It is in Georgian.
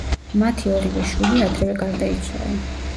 მათი ორივე შვილი ადრევე გარდაიცვალა.